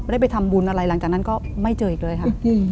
ได้ไปทำบุญอะไรหลังจากนั้นก็ไม่เจออีกเลยค่ะ